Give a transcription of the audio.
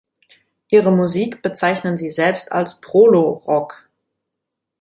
Ihre Musik bezeichnen sie selbst als Prolo-Rock.